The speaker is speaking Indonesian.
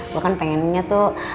gue kan pengennya tuh